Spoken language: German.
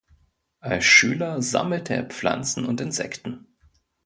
Als Schüler sammelte er Pflanzen und Insekten.